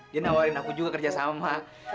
dia nawarin aku juga kerja sama